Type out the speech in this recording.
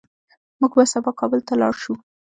موږ به سبا کابل ته لاړ شو